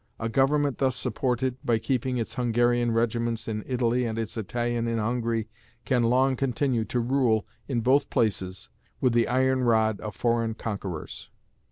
A government thus supported, by keeping its Hungarian regiments in Italy and its Italian in Hungary, can long continue to rule in both places with the iron rod of foreign conquerors.